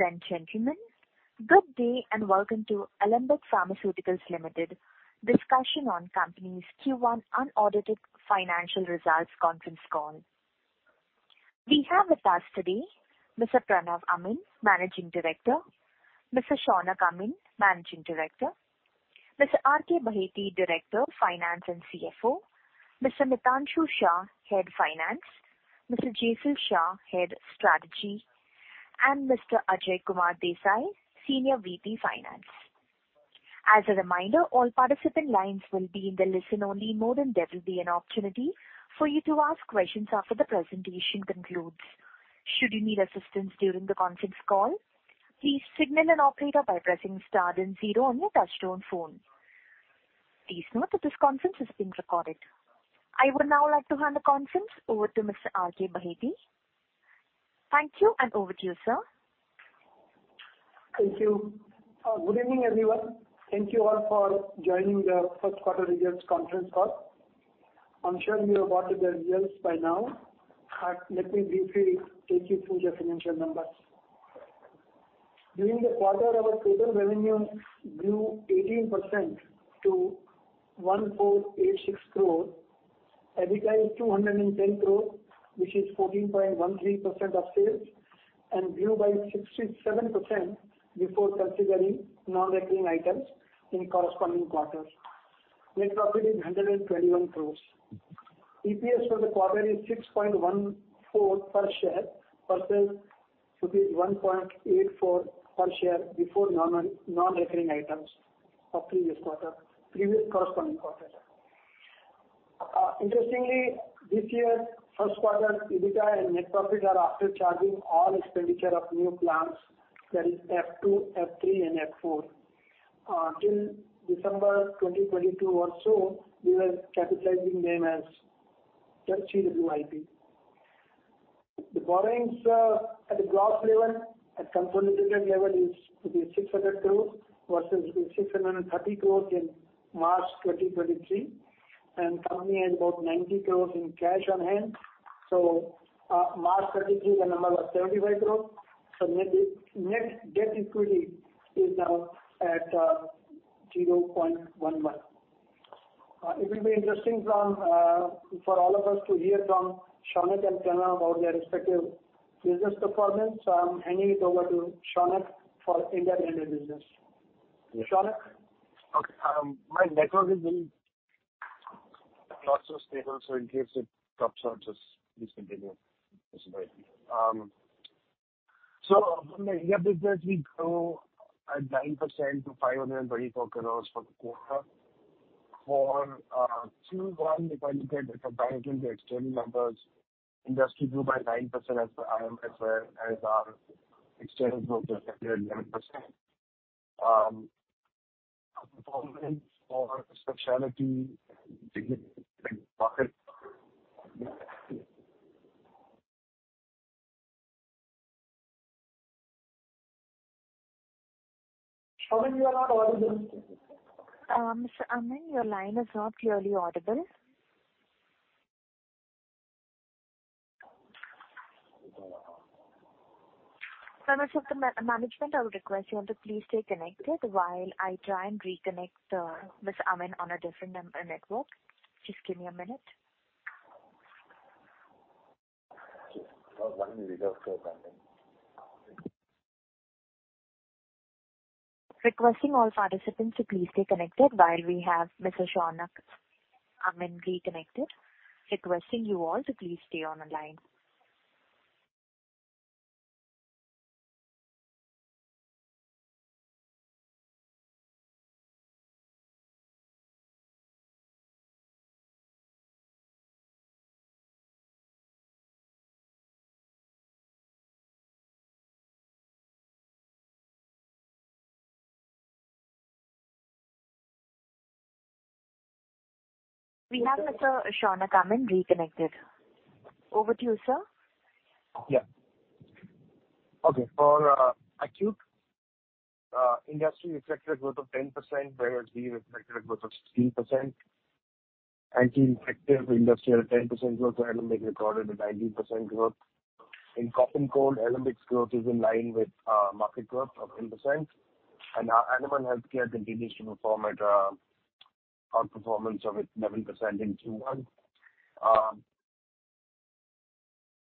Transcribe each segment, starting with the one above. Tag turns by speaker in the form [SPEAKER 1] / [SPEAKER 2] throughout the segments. [SPEAKER 1] Ladies and gentlemen, good day, and welcome to Alembic Pharmaceuticals Limited discussion on company's Q1 unaudited financial results conference call. We have with us today Mr. Pranav Amin, Managing Director; Mr. Shaunak Amin, Managing Director; Mr. R.K. Baheti, Director, Finance and CFO; Mr. Mitanshu Shah, Head Finance; Mr. Jesal Shah, Head Strategy; and Mr. Ajay Kumar Desai, Senior VP, Finance. As a reminder, all participant lines will be in the listen only mode, and there will be an opportunity for you to ask questions after the presentation concludes. Should you need assistance during the conference call, please signal an operator by pressing star then zero on your touchtone phone. Please note that this conference is being recorded. I would now like to hand the conference over to Mr. R.K. Baheti. Thank you, and over to you, sir.
[SPEAKER 2] Thank you. Good evening, everyone. Thank you all for joining the first quarter results conference call. I'm sure you have got the results by now. Let me briefly take you through the financial numbers. During the quarter, our total revenue grew 18%- 1,486 crore, EBITDA is 210 crore, which is 14.13% of sales, and grew by 67% before considering non-recurring items in corresponding quarters. Net profit is 121 crore. EPS for the quarter is 6.14 per share versus 1.84 per share before non, non-recurring items for previous quarter-- previous corresponding quarter. Interestingly, this year, first quarter, EBITDA and net profit are after charging all expenditure of new plants, that is F2, F3, and F4. Till December 2022 or so, we were capitalizing them as CWIP. The borrowings, at the gross level, at consolidated level, is 67 crore versus 630 crore in March 2023, and company has about 90 crore in cash on hand. March 2023, the number was 75 crore. Net-net debt equity is now at 0.11. It will be interesting for all of us to hear from Shaunak and Pranav about their respective business performance. I'm handing it over to Shaunak for India and the business. Shaunak?
[SPEAKER 3] Okay, my network is not so stable, so in case it drops out, just please continue. From the India business, we grow at 9% to 524 crore for the quarter. For Q1, if I look at the external numbers, industry grew by 9% as the IPM, as our external growth is 11%. Performance for speciality- Amin
[SPEAKER 1] you are not audible. Mr. Amin, your line is not clearly audible. Members of the management, I would request you all to please stay connected while I try and reconnect Mr. Amin, on a different network. Just give me a minute.
[SPEAKER 2] one minute of grounding.
[SPEAKER 1] Requesting all participants to please stay connected while we have Mr. Shaunak Amin reconnected. Requesting you all to please stay on the line. We have Mr. Shaunak Amin reconnected. Over to you, sir.
[SPEAKER 3] Yeah. Okay, for acute industry expected growth of 10%, whereas we reflected a growth of 16%. IT effective industrial 10% growth, Alembic recorded a 19% growth. In cough and cold, Alembic's growth is in line with market growth of 10%, and our animal healthcare continues to perform at outperformance of 11% in Q1.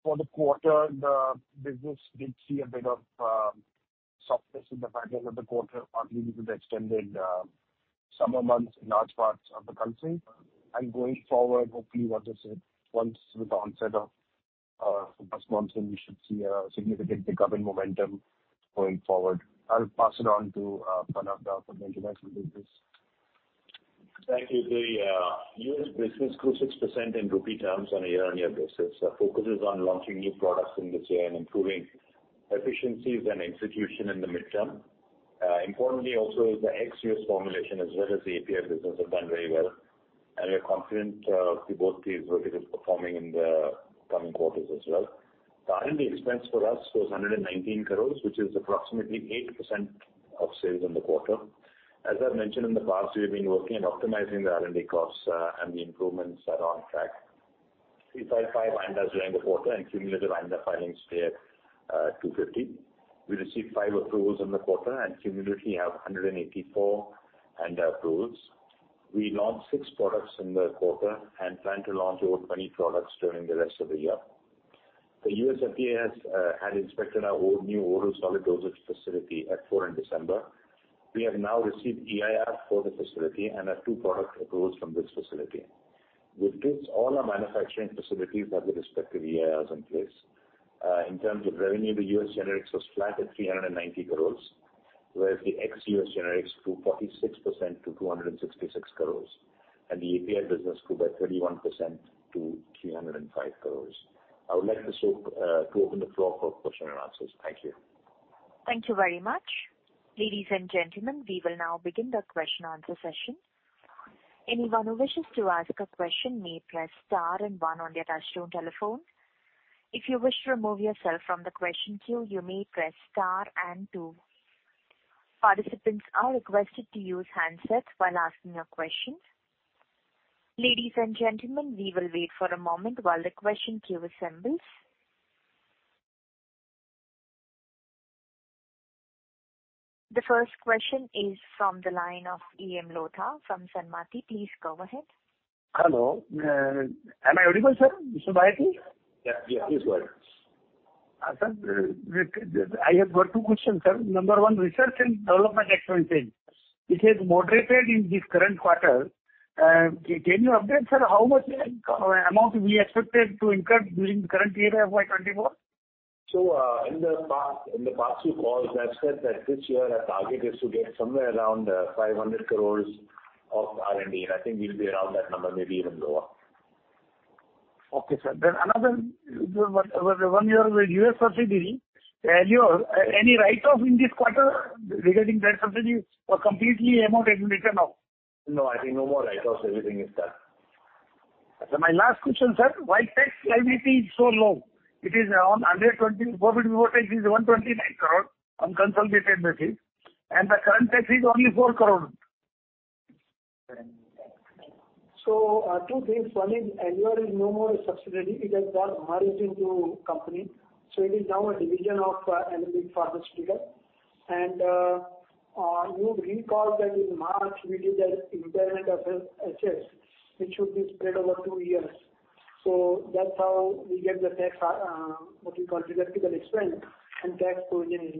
[SPEAKER 3] For the quarter, the business did see a bit of softness in the second half of the quarter, partly due to the extended summer months in large parts of the country. Going forward, hopefully, once with the onset of first monsoon, we should see a significant pick-up in momentum going forward. I'll pass it on to Pranav now for the international business.
[SPEAKER 4] Thank you. The U.S. business grew 6% in rupee terms on a year-on-year basis. Focus is on launching new products in this year and improving efficiencies and execution in the midterm. Importantly, also, is the ex-U.S. formulation as well as the API business have done very well, and we're confident both these will be performing in the coming quarters as well. The R&D expense for us was 119 crore, which is approximately 8% of sales in the quarter. As I've mentioned in the past, we've been working on optimizing the R&D costs, and the improvements are on track. We filed 5 ANDAs during the quarter, and cumulative ANDA filings stay at 250. We received 5 approvals in the quarter, and cumulatively have 184 ANDA approvals. We launched 6 products in the quarter, plan to launch over 20 products during the rest of the year. The US FDA has had inspected our old/new oral solid dosage facility at F4 in December. We have now received EIR for the facility and have 2 product approvals from this facility, which gives all our manufacturing facilities have the respective EIRs in place. In terms of revenue, the US generics was flat at 390 crore, whereas the ex-US generics grew 46% to 266 crore, and the API business grew by 31% to 305 crore. I would like to open the floor for question and answers. Thank you.
[SPEAKER 1] Thank you very much. Ladies and gentlemen, we will now begin the question answer session. Anyone who wishes to ask a question may press star 1 on their touchtone telephone. If you wish to remove yourself from the question queue, you may press star 2. Participants are requested to use handsets while asking your questions. Ladies and gentlemen, we will wait for a moment while the question queue assembles. The first question is from the line of A M Lodha from Samarthee. Please go ahead.
[SPEAKER 5] Hello, am I audible, sir? Mr. Baheti?
[SPEAKER 4] Yeah, yeah. Please go ahead.
[SPEAKER 5] sir, with the... I have got 2 questions, sir. Number 1, research and development expense. It has moderated in this current quarter. Can you update, sir, how much amount we expected to incur during the current year of Y-24?
[SPEAKER 4] In the past, in the past few calls, I've said that this year our target is to get somewhere around 500 crore of R&D, and I think we'll be around that number, maybe even lower.
[SPEAKER 5] Okay, sir. Another, one your US subsidiary, uncertain, any write-off in this quarter regarding that subsidiary or completely amount has been written off?
[SPEAKER 4] No, I think no more write-offs. Everything is done.
[SPEAKER 5] My last question, sir: why tax liability is so low? It is around 120, profit before tax is 129 crore on consolidated basis, and the current tax is only 4 crore.
[SPEAKER 4] Two things. One is uncertain is no more a subsidiary. It has got merged into company, so it is now a division of Alembic Pharmaceuticals. You'd recall that in March we did an impairment of assets, which would be spread over two years. That's how we get the tax, what you call theoretical expense, and tax provision is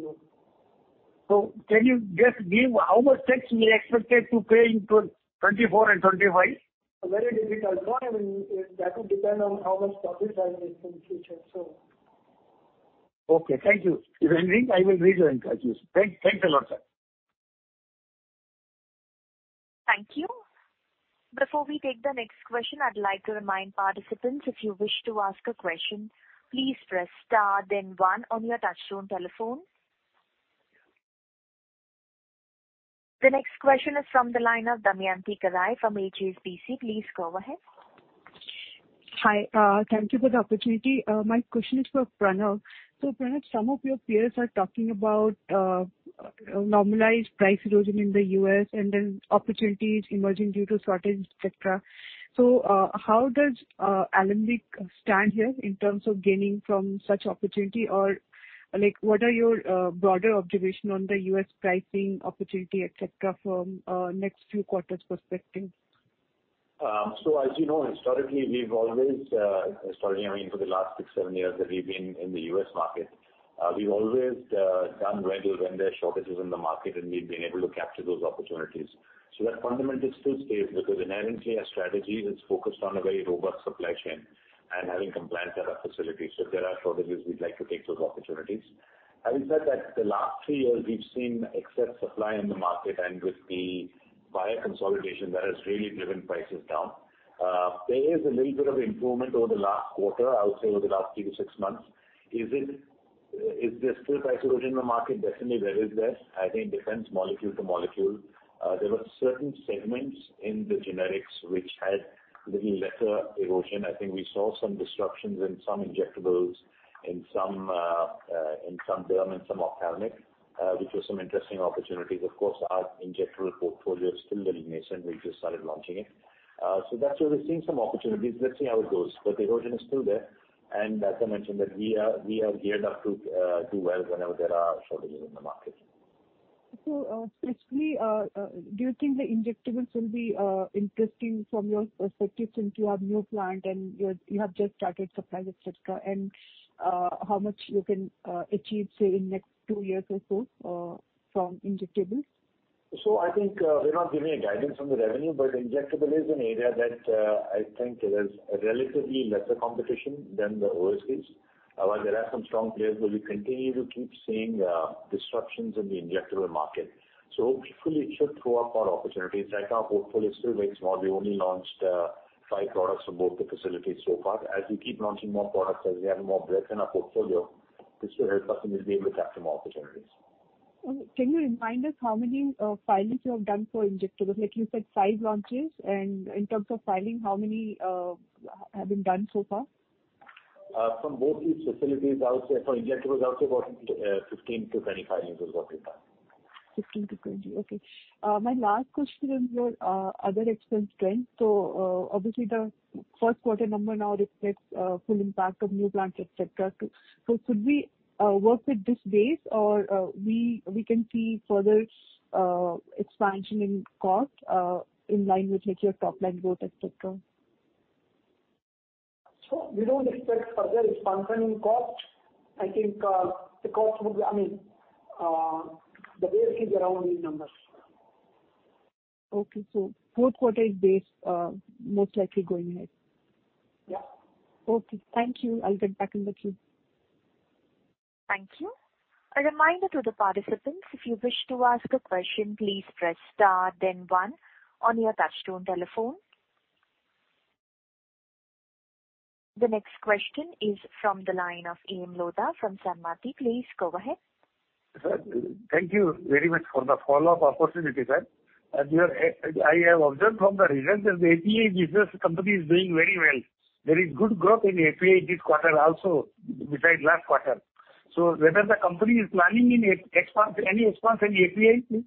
[SPEAKER 4] low.
[SPEAKER 5] Can you just give how much tax we expected to pay in 2024 and 2025?
[SPEAKER 4] Very difficult. No, I mean, that will depend on how much profit I make in the future, so.
[SPEAKER 5] Okay, thank you. If anything, I will read and, thanks a lot, sir.
[SPEAKER 1] Thank you. Before we take the next question, I'd like to remind participants, if you wish to ask a question, please press star, then one on your touchtone telephone. The next question is from the line of Damayanti Kerai from HSBC. Please go ahead.
[SPEAKER 6] Hi, thank you for the opportunity. My question is for Pranav. Pranav, some of your peers are talking about normalized price erosion in the U.S. and then opportunities emerging due to shortage, et cetera. How does Alembic stand here in terms of gaining from such opportunity? Or, like, what are your broader observation on the U.S. pricing opportunity, et cetera, from next few quarters perspective?
[SPEAKER 4] As you know, historically, we've always Historically, I mean, for the last 6, 7 years that we've been in the U.S. market, we've always done well when there are shortages in the market, and we've been able to capture those opportunities. That fundamental still stays, because inherently our strategy is focused on a very robust supply chain and having compliance at our facilities. If there are shortages, we'd like to take those opportunities. Having said that, the last 3 years we've seen excess supply in the market, and with the buyer consolidation, that has really driven prices down. There is a little bit of improvement over the last quarter, I would say, over the last 3-6 months. Is it, is there still price erosion in the market? Definitely, there is there. I think it depends, molecule to molecule. There were certain segments in the generics which had little lesser erosion. I think we saw some disruptions in some injectables, in some, in some derm and some ophthalmic, which were some interesting opportunities. Of course, our injectable portfolio is still very nascent. We just started launching it. That's where we're seeing some opportunities. Let's see how it goes, but the erosion is still there, and as I mentioned that we are, we are geared up to do well whenever there are shortages in the market.
[SPEAKER 6] Specifically, do you think the injectables will be interesting from your perspective, since you have new plant and you're, you have just started supplies, et cetera? How much you can achieve, say, in next 2 years or so, from injectables?
[SPEAKER 4] I think, we're not giving a guidance on the revenue, but injectable is an area that I think there is relatively lesser competition than the orals is. While there are some strong players, but we continue to keep seeing disruptions in the injectable market. Hopefully, it should throw up more opportunities. Like our portfolio is still very small. We only launched five products from both the facilities so far. As we keep launching more products, as we have more breadth in our portfolio, this will help us, and we'll be able to capture more opportunities.
[SPEAKER 6] Can you remind us how many filings you have done for injectables? Like you said, 5 launches, and in terms of filing, how many have been done so far?...
[SPEAKER 2] from both these facilities out, for injectable is out about, 15-25 units is what we have.
[SPEAKER 6] 15-20, okay. My last question is your other expense strength. Obviously, the first quarter number now reflects full impact of new plants, et cetera. Should we work with this base or we, we can see further expansion in cost in line with which your top line growth, et cetera?
[SPEAKER 2] We don't expect further expansion in cost. I think, the cost would be, I mean, the base is around these numbers.
[SPEAKER 6] fourth quarter is base, most likely going ahead.
[SPEAKER 2] Yeah.
[SPEAKER 6] Okay, thank you. I'll get back in the queue.
[SPEAKER 1] Thank you. A reminder to the participants, if you wish to ask a question, please press star then one on your touchtone telephone. The next question is from the line of AM Lodha from Sanmati. Please go ahead.
[SPEAKER 5] Sir, thank you very much for the follow-up opportunity, sir. I have observed from the results that the API business company is doing very well. There is good growth in API this quarter also, besides last quarter. Whether the company is planning any expansion, any expansion in API, please?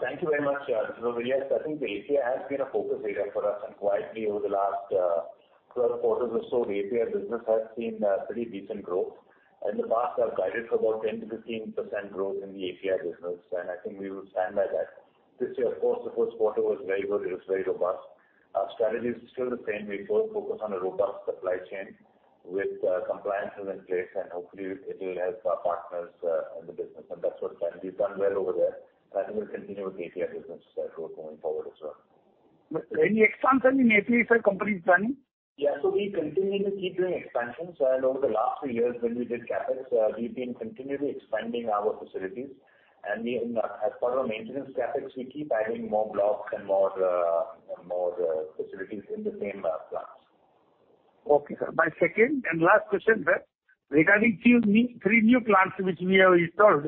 [SPEAKER 4] Thank you very much, sir. Yes, I think the API has been a focus area for us, and quietly over the last 12 quarters or so, the API business has seen a pretty decent growth. In the past, I've guided for about 10%-15% growth in the API business, and I think we will stand by that. This year, of course, the first quarter was very good. It was very robust. Our strategy is still the same. We first focus on a robust supply chain with compliances in place, and hopefully it will help our partners in the business, and that's what can be done well over there. I think we'll continue with API business as well going forward as well.
[SPEAKER 5] Any expansion in API side company is planning?
[SPEAKER 4] We continue to keep doing expansions. Over the last three years, when we did CapEx, we've been continually expanding our facilities. We, as part of our maintenance CapEx, we keep adding more blocks and more and more facilities in the same plants.
[SPEAKER 5] Okay, sir. My second and last question, sir. Regarding 2 new, 3 new plants which we have installed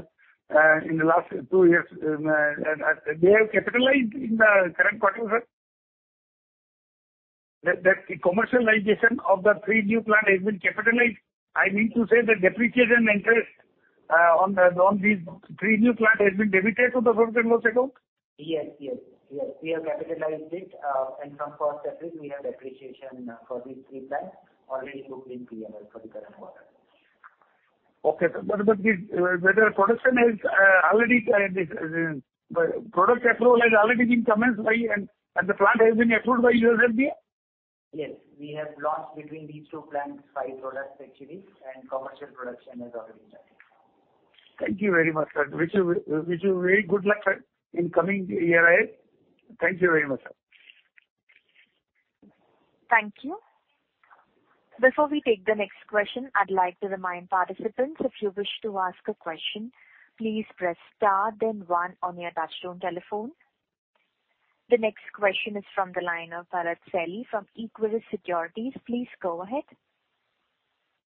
[SPEAKER 5] in the last 2 years, they have capitalized in the current quarter, sir? The commercialization of the 3 new plant has been capitalized. I mean to say the depreciation interest on these 3 new plant has been debited to the profit and loss account?
[SPEAKER 2] Yes, yes, yes. We have capitalized it. From first quarter, we have depreciation for these three plants already booked in PNL for the current quarter.
[SPEAKER 5] Okay, sir, the whether production has already product approval has already been commenced by and, and the plant has been approved by USFDA?
[SPEAKER 2] Yes, we have launched between these two plants, 5 products actually, and commercial production has already started.
[SPEAKER 5] Thank you very much, sir. Wish you, wish you very good luck, sir, in coming year ahead. Thank you very much, sir.
[SPEAKER 1] Thank you. Before we take the next question, I'd like to remind participants, if you wish to ask a question, please press star then one on your touchtone telephone. The next question is from the line of Bharat Celly from Equirus Securities. Please go ahead.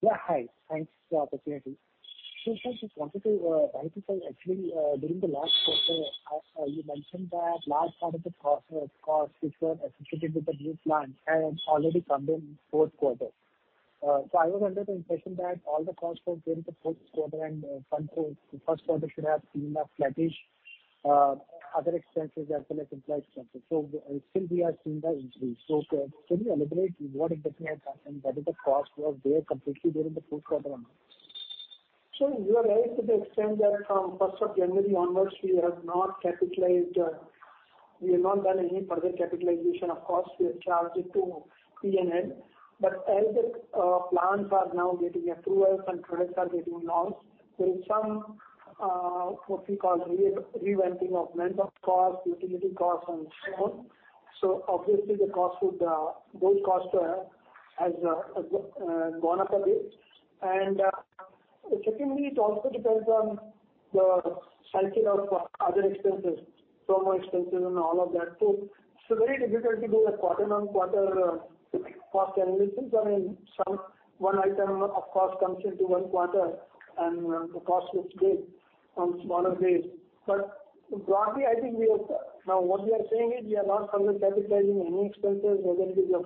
[SPEAKER 7] Yeah, hi. Thanks for the opportunity. I just wanted to, actually, during the last quarter, you mentioned that large part of the costs, costs which were associated with the new plant had already come in fourth quarter. I was under the impression that all the costs were during the fourth quarter and first quarter, the first quarter should have seen a flattish, other expenses as well as employee expenses. Still we are seeing the increase. Can you elaborate what is the difference and what is the cost, were they completely during the fourth quarter?
[SPEAKER 2] You are right to the extent that from 1st of January onwards, we have not capitalized, we have not done any further capitalization of costs. We have charged it to PNL. As the plants are now getting approvals and products are getting launched, there's some what we call reverting of maintenance costs, utility costs and so on. Obviously, the cost would those costs has gone up a bit. Secondly, it also depends on the cycle of other expenses, promo expenses and all of that. It's very difficult to do a quarter on quarter cost analysis. I mean, one item of cost comes into one quarter and the cost looks big on smaller base. Broadly, I think we are... Now, what we are saying is, we are not further capitalizing any expenses, whether it is of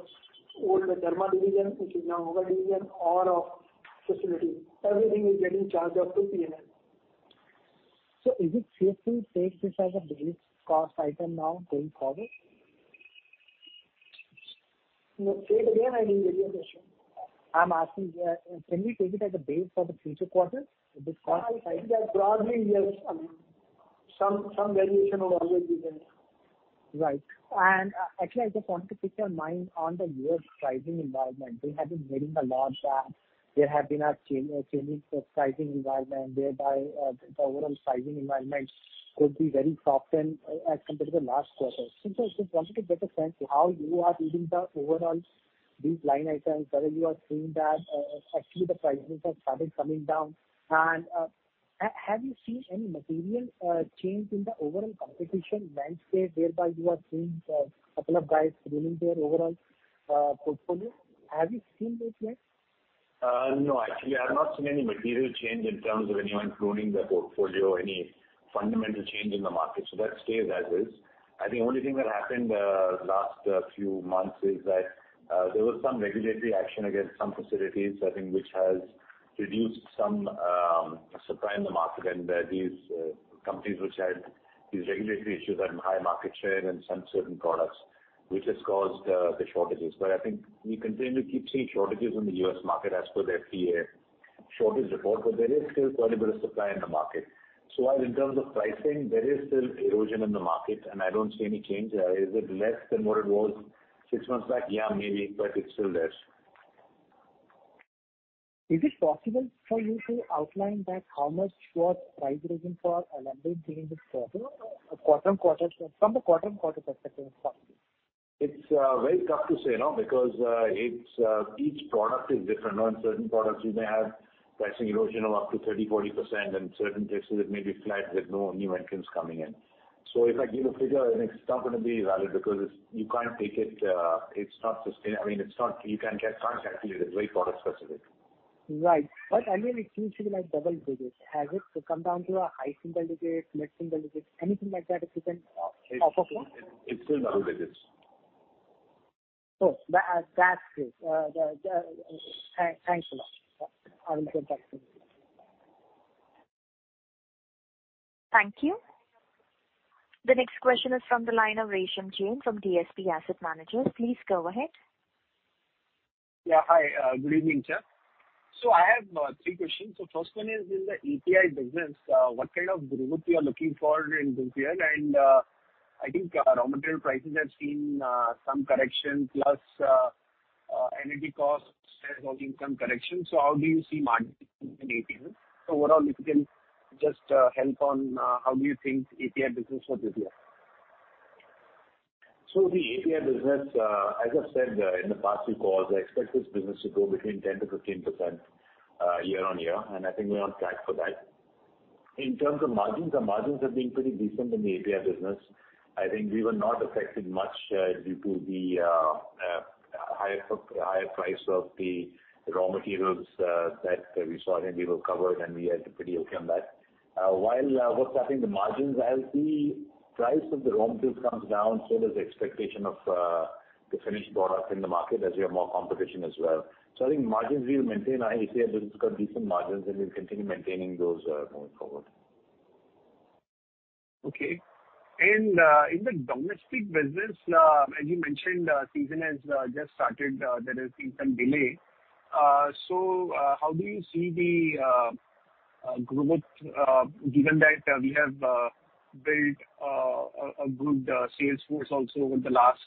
[SPEAKER 2] old pharma division, which is now over division or of facility. Everything is getting charged up to PNL.
[SPEAKER 7] Is it safe to take this as a base cost item now going forward?
[SPEAKER 2] No, say it again. I didn't get your question.
[SPEAKER 7] I'm asking, can we take it as a base for the future quarters, this cost?
[SPEAKER 2] I think that broadly, yes, I mean, some, some variation would always be there.
[SPEAKER 7] Right. actually, I just want to pick your mind on the lower pricing environment. We have been hearing a lot that there have been a change, a changing pricing environment, whereby, the overall pricing environment could be very softened as compared to the last quarter. So just wanted to get a sense of how you are reading the overall these line items, whether you are seeing that, actually, the prices have started coming down. Have you seen any material change in the overall competition landscape, whereby you are seeing, couple of guys trimming their overall portfolio? Have you seen this yet?
[SPEAKER 4] No, actually, I've not seen any material change in terms of anyone pruning their portfolio, any fundamental change in the market, so that stays as is. I think the only thing that happened last few months is that there was some regulatory action against some facilities, I think, which has reduced some supply in the market, and that these companies which had these regulatory issues had high market share in some certain products, which has caused the shortages. I think we continue to keep seeing shortages in the U.S. market as per the FDA shortage report, but there is still quite a bit of supply in the market. While in terms of pricing, there is still erosion in the market, and I don't see any change. Is it less than what it was six months back? Yeah, maybe, but it's still there.
[SPEAKER 2] Is it possible for you to outline that how much was price erosion for an Alendronate this quarter or a quarter-on-quarter, from the quarter-on-quarter perspective?
[SPEAKER 4] It's very tough to say, you know, because it's each product is different. On certain products, you may have pricing erosion of up to 30%-40%, and certain cases it may be flat, with no new entrants coming in. If I give a figure, then it's not going to be valid because you can't take it, it's not sustain... I mean, it's not, you can't get, it's very product specific.
[SPEAKER 7] Right. I mean, it seems to be like double digits. Has it come down to a high single digits, mid-single digits, anything like that if you can off of that?
[SPEAKER 4] It's still double digits.
[SPEAKER 7] Oh, that, that's great. Thanks a lot. I will get back to you.
[SPEAKER 1] Thank you. The next question is from the line of Resham Jain from DSP Asset Managers. Please go ahead.
[SPEAKER 8] Yeah, hi. Good evening, sir. I have 3 questions. First one is in the API business, what kind of growth you are looking for in this year? I think our raw material prices have seen some correction, plus energy costs have some correction. How do you see margin in API? Overall, if you can just help on how do you think API business for this year?
[SPEAKER 4] The API business, as I said, in the past few calls, I expect this business to grow between 10%-15% year-on-year, and I think we're on track for that. In terms of margins, the margins have been pretty decent in the API business. I think we were not affected much due to the higher price of the raw materials that we saw, and we were covered, and we are pretty okay on that. While what's happening the margins, as the price of the raw materials comes down, so does the expectation of the finished product in the market as we have more competition as well. I think margins, we will maintain. Our API business has got decent margins, and we'll continue maintaining those going forward.
[SPEAKER 8] Okay. In the domestic business, as you mentioned, season has just started, there has been some delay. How do you see the growth, given that we have built a good sales force also over the last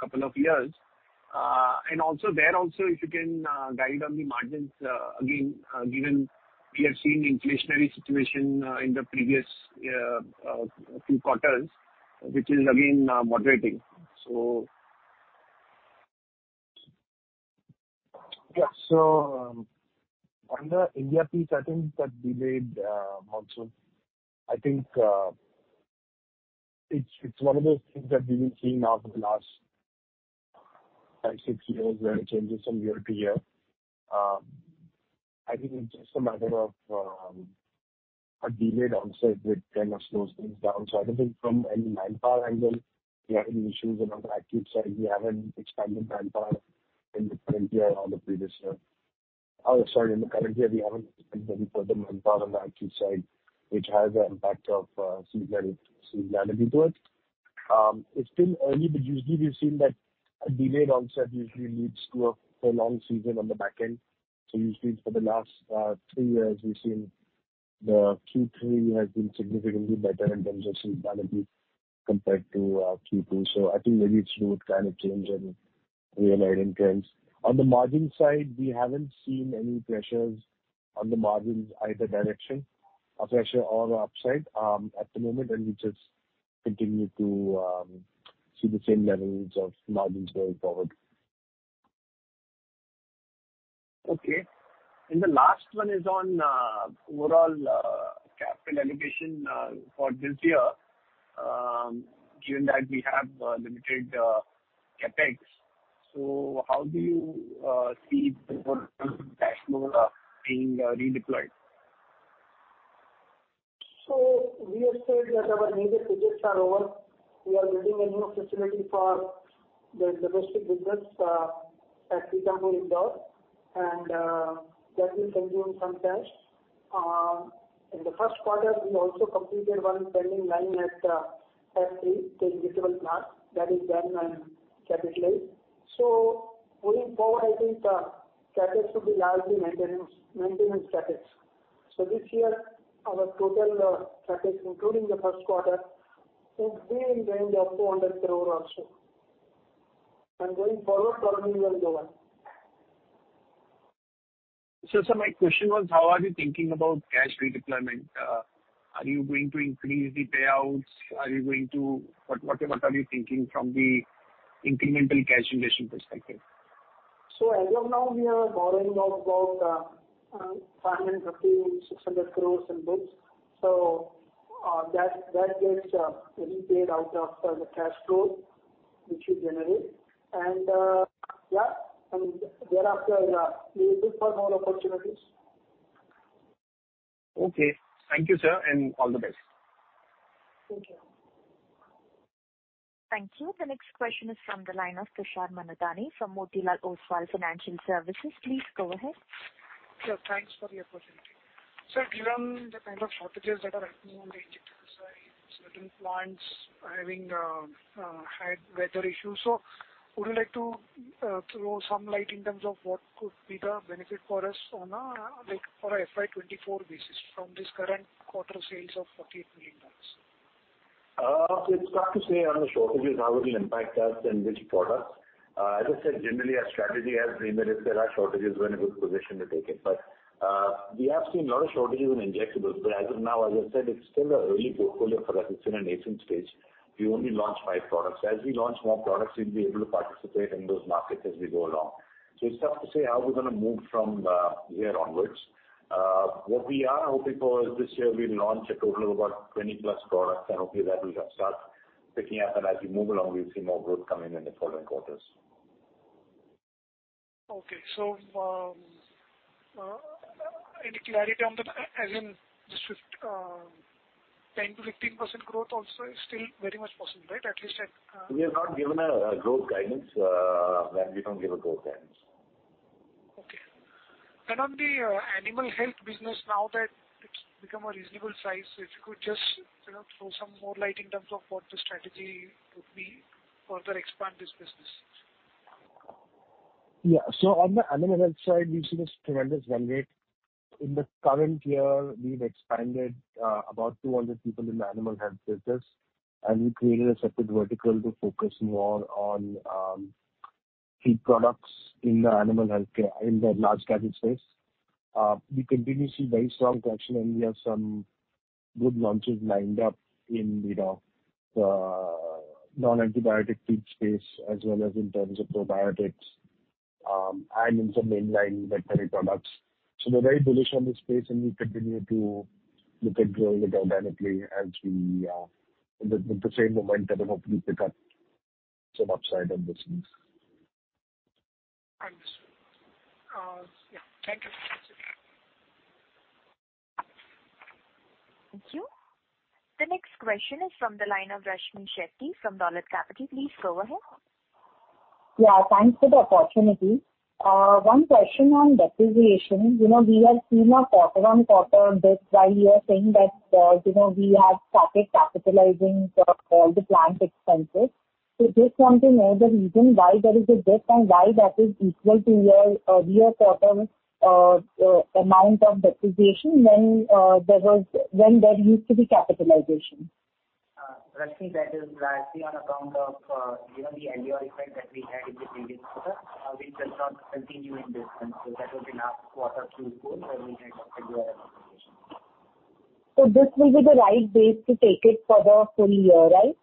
[SPEAKER 8] couple of years? Also, there also, if you can guide on the margins, again, given we have seen inflationary situation, in the previous few quarters, which is again, moderating?
[SPEAKER 3] Yeah, on the India piece, I think that delayed monsoon. I think, it's, it's one of those things that we've been seeing now for the last 5, 6 years, where it changes from year to year. I think it's just a matter of, a delayed onset which kind of slows things down. I don't think from any manpower angle, we have any issues on our active side. We haven't expanded manpower in the current year or the previous year. Oh, sorry, in the current year, we haven't expanded further manpower on the active side, which has an impact of, seasonality, seasonality to it. It's still early, but usually we've seen that a delayed onset usually leads to a prolonged season on the back end. Usually for the last 3 years, we've seen the Q3 has been significantly better in terms of seasonality compared to Q2. I think maybe it's kind of change in the underlying trends. On the margin side, we haven't seen any pressures on the margins, either direction, a pressure or upside, at the moment, and we just continue to see the same levels of margins going forward.
[SPEAKER 8] Okay. The last one is on overall capital allocation for this year, given that we have limited CapEx. How do you see the overall cash flow being redeployed?
[SPEAKER 2] We have said that our needed projects are over. We are building a new facility for the domestic business, at Pithampur, Indore, and that will consume some cash. In the first quarter, we also completed one pending line at F3, the Vejalpur plant. That is done and capitalized. Going forward, I think, CapEx will be largely maintenance, maintenance CapEx. This year, our total, CapEx, including the first quarter, will be in the range of 400 crore or so. Going forward, probably it will go well.
[SPEAKER 8] Sir, my question was, how are you thinking about cash redeployment? Are you going to increase the payouts? What, what about are you thinking from the incremental cash generation perspective?
[SPEAKER 2] As of now, we are borrowing about INR 550-600 crore in this. That gets repaid out after the cash flow which we generate, and thereafter, we will look for more opportunities.
[SPEAKER 9] Okay. Thank you, sir, and all the best.
[SPEAKER 2] Thank you.
[SPEAKER 1] Thank you. The next question is from the line of Tushar Manudhane from Motilal Oswal Financial Services. Please go ahead.
[SPEAKER 10] Sir, thanks for the opportunity. Sir, given the kind of shortages that are happening on the injector side, certain plants having had weather issues. would you like to throw some light in terms of what could be the benefit for us on a, like, for a FY 2024 basis from this current quarter sales of $48 million?
[SPEAKER 4] It's tough to say on the shortages, how it will impact us and which products. As I said, generally, our strategy as premature, there are shortages, we're in a good position to take it. We have seen a lot of shortages in injectables. As of now, as I said, it's still an early portfolio for us. It's in a nascent stage. We only launched 5 products. As we launch more products, we'll be able to participate in those markets as we go along. It's tough to say how we're gonna move from here onwards. What we are hoping for is this year we'll launch a total of about 20-plus products, and hopefully, that will help start picking up, and as we move along, we'll see more growth coming in the following quarters.
[SPEAKER 10] Okay. Any clarity on the, as in, just, 10%-15% growth also is still very much possible, right? At least at...
[SPEAKER 4] We have not given a, a growth guidance, when we don't give a growth guidance.
[SPEAKER 10] Okay. On the animal health business, now that it's become a reasonable size, if you could just, you know, throw some more light in terms of what the strategy would be to further expand this business.
[SPEAKER 3] Yeah. On the animal health side, we've seen this tremendous run rate. In the current year, we've expanded, about 200 people in the animal health business, and we created a separate vertical to focus more on, feed products in the animal health care, in the large cattle space. We continue to see very strong traction, and we have some good launches lined up in, you know, the non-antibiotic feed space as well as in terms of probiotics, and in some mainline veterinary products. We're very bullish on this space, and we continue to look at growing it organically as we with the same momentum, and hopefully, pick up some upside on this.
[SPEAKER 10] Understood. Yeah. Thank you.
[SPEAKER 1] Thank you. The next question is from the line of Rashmi Shetty from Dolat Capital. Please go ahead.
[SPEAKER 9] Yeah, thanks for the opportunity. One question on depreciation. You know, we have seen a quarter-on-quarter dip while you are saying that, you know, we have started capitalizing the, all the plant expenses. Just want to know the reason why there is a dip and why that is equal to your earlier quarter amount of depreciation when there used to be capitalization.
[SPEAKER 2] Rashmi, that is largely on account of, you know, the LLR effect that we had in the previous quarter, which will not continue in this one. That was in last quarter Q4, where we had LLR depreciation.
[SPEAKER 9] This will be the right base to take it for the full year, right?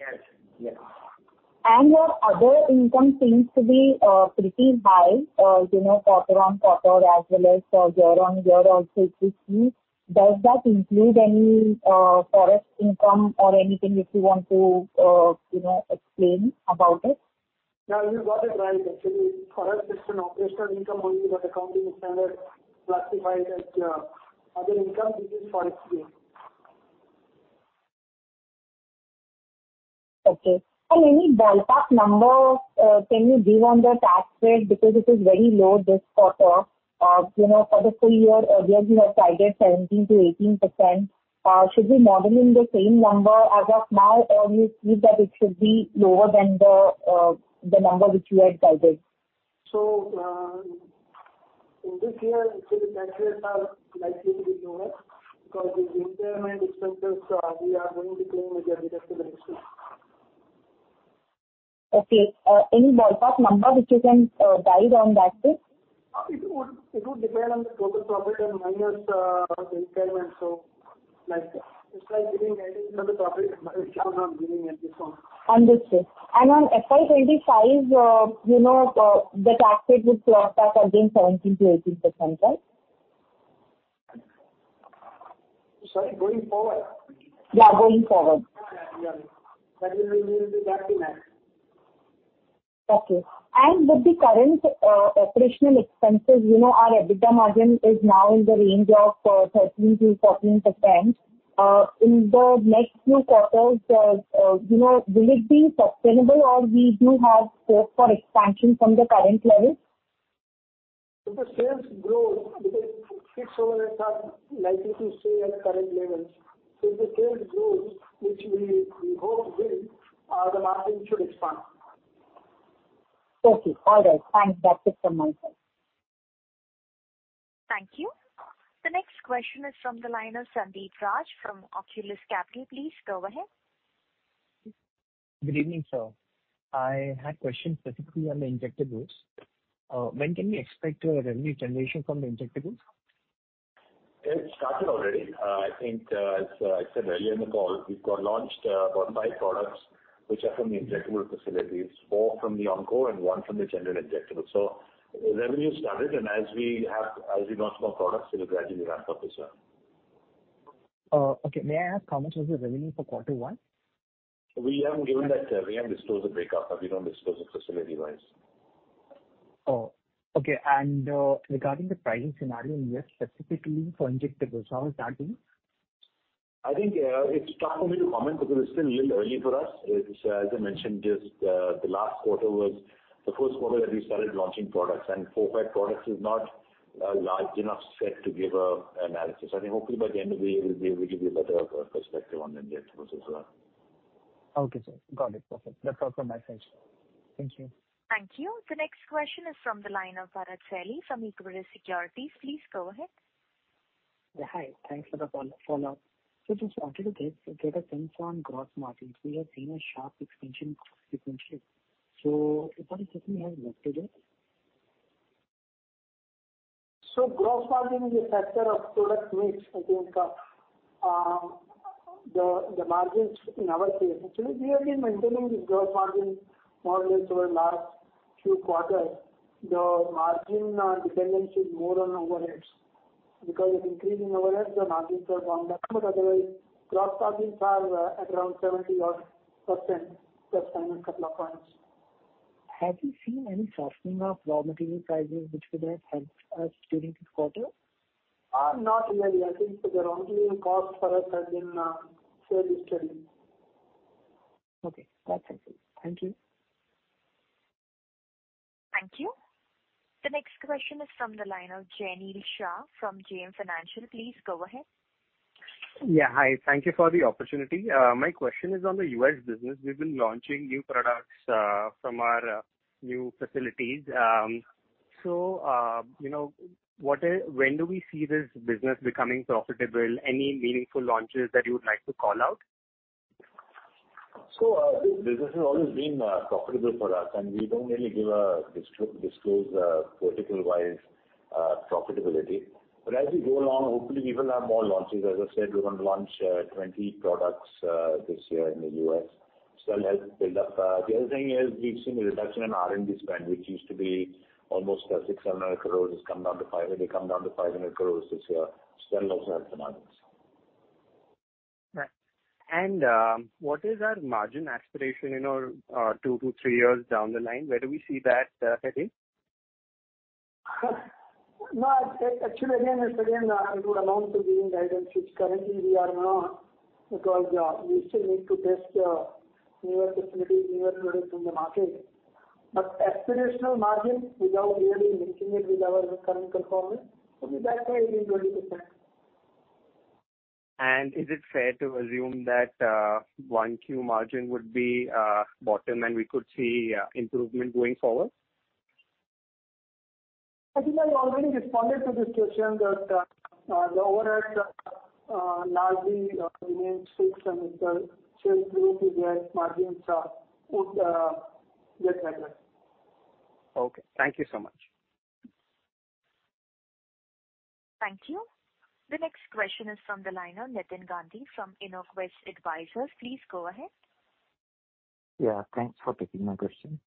[SPEAKER 2] Yes, yes.
[SPEAKER 9] Your other income seems to be pretty high, you know, quarter-on-quarter as well as year-on-year also, which we. Does that include any forex income or anything which you want to, you know, explain about it?
[SPEAKER 2] Yeah, you got it right. Actually, for us, it's an operational income only, but accounting standard classified as, other income, which is forex gain.
[SPEAKER 9] Okay. Any ballpark number, can you give on the tax rate? Because it is very low this quarter. You know, for the full year, earlier you have guided 17%-18%. Should we model in the same number as of now, or you feel that it should be lower than the, the number which you had guided?
[SPEAKER 2] In this year, actually, the tax rates are likely to be lower because the impairment expenses, we are going to claim with the deductible next year.
[SPEAKER 9] Okay. Any ballpark number which you can guide on that bit?
[SPEAKER 2] It would, it would depend on the total profit and minus the impairment. Like, it's like giving any number profit, giving at this one.
[SPEAKER 9] Understood. On FY 25, you know, the tax rate would slot up again 17%-18%, right?
[SPEAKER 2] Sorry, going forward?
[SPEAKER 9] Yeah, going forward.
[SPEAKER 2] Yeah, yeah. That will be 30 max.
[SPEAKER 9] Okay. With the current operational expenses, you know, our EBITDA margin is now in the range of, 13%-14%. In the next few quarters, you know, will it be sustainable, or we do have scope for expansion from the current level?
[SPEAKER 2] If the sales grow, because fixed overheads are likely to stay at current levels. If the sales grows, which we, we hope will, the margin should expand.
[SPEAKER 9] Okay. All right, thanks. That's it from my side.
[SPEAKER 1] Thank you. The next question is from the line of Sandeep Raj from Oculus Capital. Please go ahead.
[SPEAKER 11] Good evening, sir. I had questions specifically on the injectables. When can we expect a revenue generation from the injectables?
[SPEAKER 4] It's started already. I think, as I said earlier in the call, we've got launched, about 5 products which are from the injectable facilities, 4 from the onco and 1 from the general injectable. Revenue started, as we launch more products, it'll gradually ramp up as well....
[SPEAKER 11] okay, may I ask how much was the revenue for quarter 1?
[SPEAKER 4] We haven't given that. We haven't disclosed the breakout, but we don't disclose it facility-wise.
[SPEAKER 11] Oh, okay. regarding the pricing scenario in U.S., specifically for injectables, how is that doing?
[SPEAKER 4] I think, it's tough for me to comment because it's still a little early for us. It's, as I mentioned, just the last quarter was the first quarter that we started launching products, and four, five products is not a large enough set to give a, an analysis. I think hopefully by the end of the year, we'll be able to give you a better perspective on injectables as well.
[SPEAKER 11] Okay, sir. Got it. Perfect. That's all from my side. Thank you.
[SPEAKER 1] Thank you. The next question is from the line of Bharat Celly from Equirus Securities. Please go ahead.
[SPEAKER 7] Yeah, hi. Thanks for the follow-up. Just wanted to get a sense on gross margins. We have seen a sharp expansion sequentially. What exactly has led to this?
[SPEAKER 2] gross margin is a factor of product mix. I think, the margins in our case, actually, we have been maintaining the gross margin more or less over the last few quarters. The margin dependency is more on overheads, because with increase in overheads, the margins are gone down. otherwise, gross margins are, around 70% odd, plus minus two points.
[SPEAKER 7] Have you seen any softening of raw material prices which could have helped us during this quarter?
[SPEAKER 2] Not really. I think the raw material cost for us has been fairly steady.
[SPEAKER 7] Okay, that's helpful. Thank you.
[SPEAKER 1] Thank you. The next question is from the line of Jenny Shah from JM Financial. Please go ahead.
[SPEAKER 12] Yeah. Hi, thank you for the opportunity. My question is on the US business. We've been launching new products, from our new facilities. You know, when do we see this business becoming profitable? Any meaningful launches that you would like to call out?
[SPEAKER 4] This business has always been profitable for us, and we don't really give a disclose vertical-wise profitability. As we go along, hopefully we will have more launches. As I said, we're going to launch 20 products this year in the US. That helps build up. The other thing is we've seen a reduction in R&D spend, which used to be almost 600-700 crore, has come down to 500 crore this year. That also helps the margins.
[SPEAKER 12] Right. What is our margin aspiration in 2 to 3 years down the line? Where do we see that heading?
[SPEAKER 2] Well, actually, again, it's again, it would amount to giving guidance, which currently we are not, because, we still need to test, newer facilities, newer products in the market. Aspirational margins, without really linking it with our current performance, would be that maybe 20%.
[SPEAKER 12] Is it fair to assume that 1 Q margin would be bottom, and we could see improvement going forward?
[SPEAKER 2] I think I already responded to this question, that, the overhead, largely remains fixed, and it, should move to get margins, would, get better.
[SPEAKER 12] Okay, thank you so much.
[SPEAKER 1] Thank you. The next question is from the line of Nitin Gandhi from Inoquest Advisors. Please go ahead.
[SPEAKER 13] Yeah, thanks for taking my question.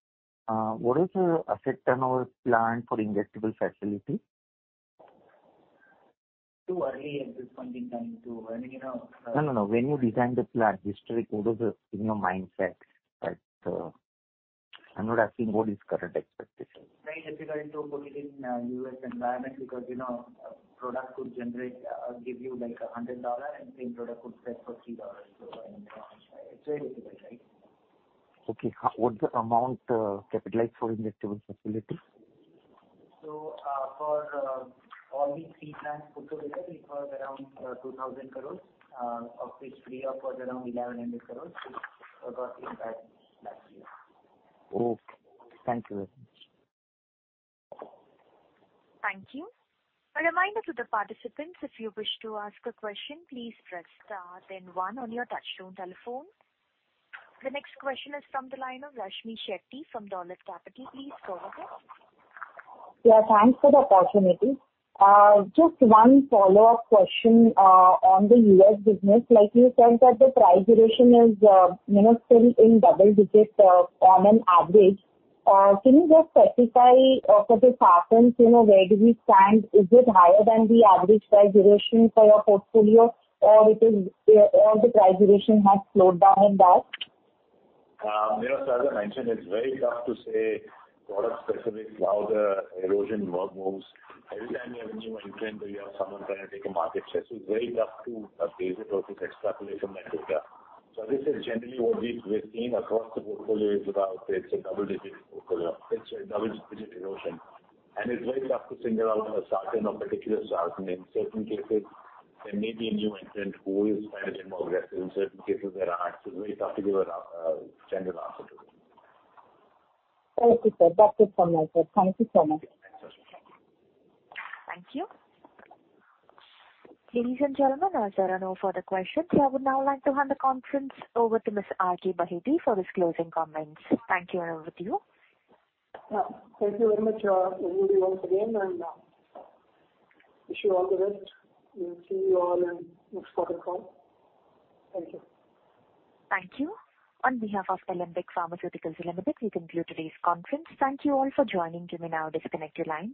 [SPEAKER 13] What is the asset turnover plan for injectable facility?
[SPEAKER 2] Too early at this point in time to really, you know-
[SPEAKER 13] No, no, no. When you designed the plan, historically, what is the, you know, mindset? I'm not asking what is current expectation.
[SPEAKER 2] Very difficult to put it in, U.S. environment, because, you know, a product could generate, or give you, like, $100, and same product would sell for $3. It's very difficult, right?
[SPEAKER 13] Okay. What's the amount, capitalized for injectable facility?
[SPEAKER 2] For all the three plants put together, it was around 2,000 crore, of which pre-op was around 1,100 crore. About the impact last year.
[SPEAKER 13] Okay. Thank you very much.
[SPEAKER 1] Thank you. A reminder to the participants, if you wish to ask a question, please press star then one on your touchtone telephone. The next question is from the line of Lakshmi Shetty from Dolat Capital. Please go ahead.
[SPEAKER 9] Yeah, thanks for the opportunity. Just one follow-up question on the U.S. business. Like you said, that the price duration is, you know, still in double digits on an average. Can you just specify or for the patterns, you know, where do we stand? Is it higher than the average price duration for your portfolio, or it is, or the price duration has slowed down in that?
[SPEAKER 2] you know, as I mentioned, it's very tough to say product specific, how the erosion work moves. Every time you have a new entrant, you have someone trying to take a market share. It's very tough to basically focus extrapolate from that data. This is generally what we've, we've seen across the portfolio is about, it's a double-digit portfolio, it's a double-digit erosion. It's very tough to single out a certain or particular segment. In certain cases, there may be a new entrant who is trying to get more aggressive. In certain cases, there are. It's very tough to give a general answer to it.
[SPEAKER 14] Thank you, sir. That's it from my side. Thank you so much.
[SPEAKER 2] Thanks, Lakshmi.
[SPEAKER 1] Thank you. Ladies and gentlemen, as there are no further questions, I would now like to hand the conference over to Miss R.K. Baheti for his closing comments. Thank you and over to you.
[SPEAKER 2] Thank you very much, everybody, once again, and wish you all the best. We'll see you all in next quarter call. Thank you.
[SPEAKER 1] Thank you. On behalf of Alembic Pharmaceuticals Limited, we conclude today's conference. Thank you all for joining. You may now disconnect your lines.